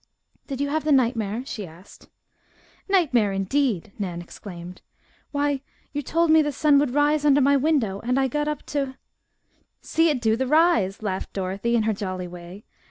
"Did you have the nightmare?" she asked. "Nightmare, indeed!" Nan exclaimed. "Why, you told me the sun would rise under my window and I got up to " "See it do the rise!" laughed Dorothy, in her jolly way.